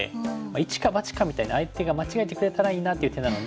一か八かみたいな相手が間違えてくれたらいいなっていう手なので。